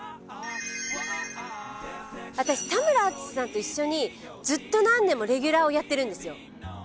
私田村淳さんと一緒にずっと何年もレギュラーをやってるんですよ。